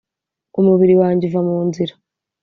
umubiri wanjye uva mu nzira '